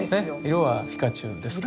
色はピカチュウですから。